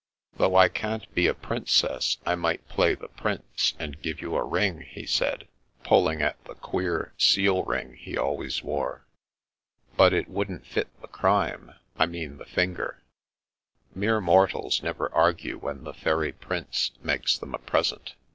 ''" Though I can't be a Princess, I might play the Prince, and give you a ring," he said, pulling at the queer seal ring he always wore. " But it wouldn't fit the crime — I mean the finger." Mere mortals never argue when the fairy Prince makes them a present.